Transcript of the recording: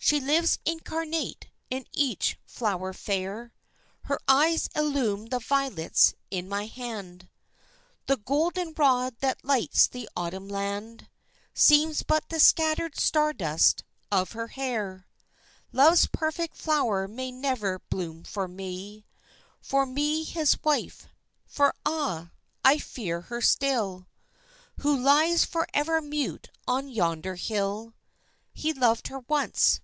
She lives incarnate in each flower fair, Her eyes illume the violets in my hand, The golden rod that lights the Autumn land Seems but the scattered star dust of her hair. Love's perfect flower may never bloom for me For me his wife. For ah! I fear her still Who lies forever mute on yonder hill. He loved her once.